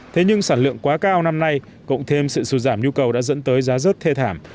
thế nhưng sản lượng quá cao năm nay cộng thêm sự sụt giảm nhu cầu đã dẫn tới giá rớt thê thảm